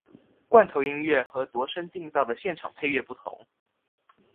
罐头音乐跟度身订造的现场配乐不同。